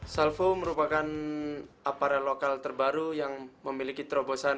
salvo merupakan aparat lokal terbaru yang memiliki terobosan